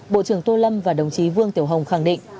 bộ trưởng tô lâm và đồng chí vương tiểu hồng khẳng định